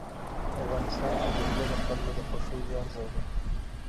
افغانستان کې جلګه د خلکو د خوښې وړ ځای دی.